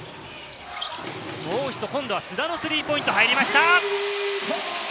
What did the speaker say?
もう一度、須田のスリーポイント、入りました！